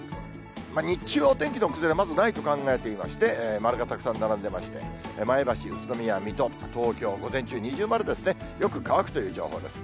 日中はお天気の崩れ、まずないと考えていまして、丸がたくさん並んでまして、前橋、宇都宮、水戸、東京、午前中二重丸ですね、よく乾くという情報です。